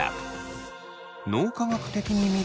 脳科学的に見ると。